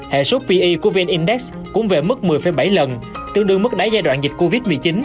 hệ số pe của vn index cũng về mức một mươi bảy lần tương đương mức đáy giai đoạn dịch covid một mươi chín